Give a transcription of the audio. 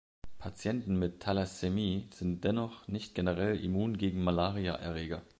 Patienten mit Thalassämie sind dennoch nicht generell immun gegen Malariaerreger.